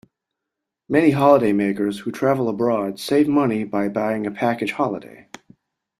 Many holidaymakers who travel abroad save money by buying a package holiday